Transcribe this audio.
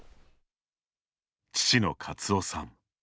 父の勝夫さん。